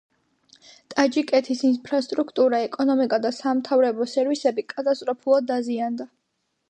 ტაჯიკეთის ინფრასტრუქტურა, ეკონომიკა და სამთავრებო სერვისები კატასტროფულად დაზიანდა.